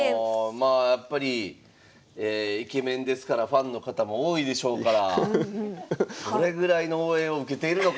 まあやっぱりイケメンですからファンの方も多いでしょうからどれぐらいの応援を受けているのか。